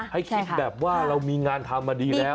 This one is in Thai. ให้คิดแบบว่าเรามีงานทำมาดีแล้ว